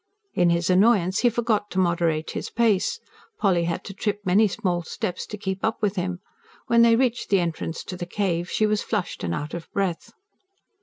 In his annoyance he forgot to moderate his pace. Polly had to trip many small steps to keep up with him. When they reached the entrance to the cave, she was flushed and out of breath.